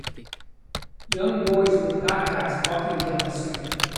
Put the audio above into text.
Young boys with backpacks walking down a street